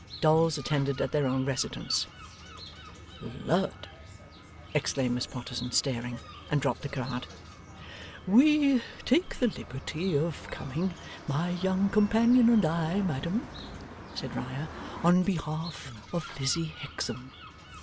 Dolls attended at their own residences. 'Lud!' exclaimed Miss Potterson, staring. And dropped the card. 'We take the liberty of coming, my young companion and I, madam,' said Riah, 'on behalf of Lizzie Hexam.